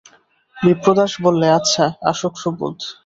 বিপ্রদাস বললে, আচ্ছা, আসুক সুবোধ।